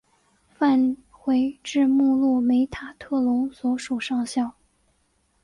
返回至目录梅塔特隆所属上校。